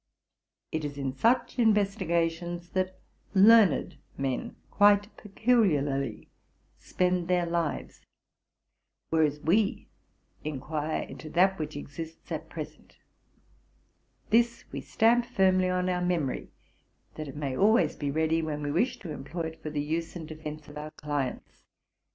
It is in such investigations that learned men quite peculiarly spend their lives, whereas we inquire into that which exists at present: this we stamp firmly on our memory, that it may always be ready when we wish to employ it for the use and defence of our clients.